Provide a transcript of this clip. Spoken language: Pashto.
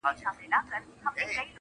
کله شاته کله څنګ ته یې کتله.!